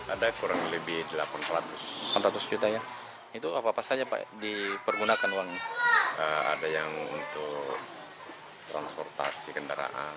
ada yang untuk transportasi kendaraan